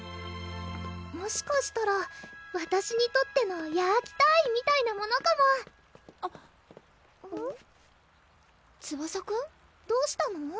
もしかしたらわたしにとってのヤーキターイみたいなものかもあっツバサくん？どうしたの？